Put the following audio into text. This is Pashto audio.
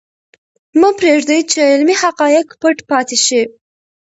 مه پرېږدئ چې علمي حقایق پټ پاتې شي.